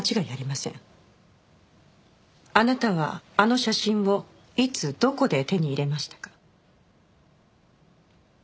あなたはあの写真をいつどこで手に入れましたか？